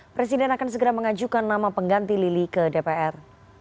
presiden akan segera mengajukan nama pengganti lili ke dpr